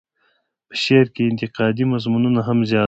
په شعر کې یې انتقادي مضمونونه هم زیات وو.